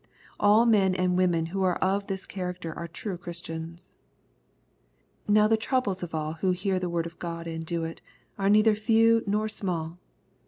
All men and women who are of this character are true Christians. Now the troubles of all who " hear the word of God and do it " are neither few nor small.